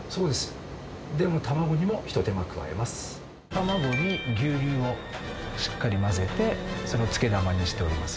卵に牛乳をしっかり混ぜてそれをつけだまにしております。